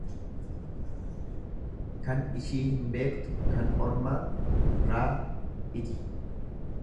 Kan ishii hin beektuu kan ormaa raaiji.